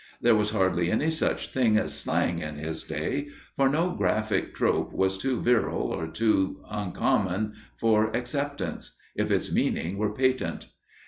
There was hardly any such thing as slang in his day, for no graphic trope was too virile or uncommon for acceptance, if its meaning were patent.